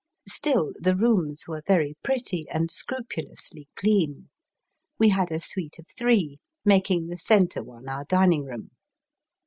Still the rooms were very pretty and scrupulously clean. "We had a suite of three, making the centre one our dining room.